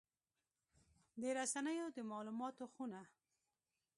د رسنیو د مالوماتو خونه